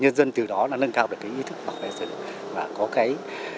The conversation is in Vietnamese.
nhân dân từ đó nên nâng cao được cái ý thức bảo vệ rừng ấy